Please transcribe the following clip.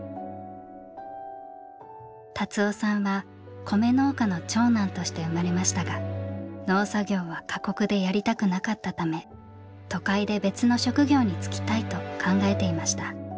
達夫さんは米農家の長男として生まれましたが農作業は過酷でやりたくなかったため都会で別の職業に就きたいと考えていました。